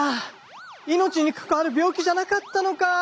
命に関わる病気じゃなかったのか。